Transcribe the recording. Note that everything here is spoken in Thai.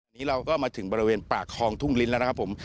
วันนี้เราก็มาถึงบริเวณปากคลองทุ่งลิ้นแล้วนะครับผม